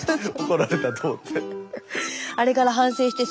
怒られたと思って。